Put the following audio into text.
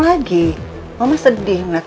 lagi mama sedih ngeliat